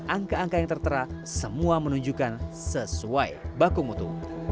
angka angka yang tertera semua menunjukkan sesuai baku mutu